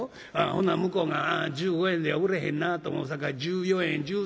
ほんなら向こうが１５円では売れへんなと思うさかい１４円１３円